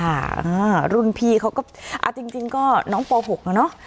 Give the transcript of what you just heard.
อ่ารุ่นพี่เขาก็เอาจริงจริงก็น้องป๖แล้วเนอะ